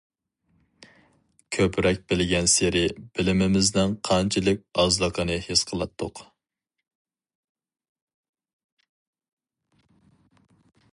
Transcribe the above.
كۆپرەك بىلگەنسېرى، بىلىمىمىزنىڭ قانچىلىك ئازلىقىنى ھېس قىلاتتۇق.